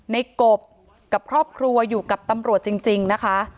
กบกับครอบครัวอยู่กับตำรวจจริงนะคะ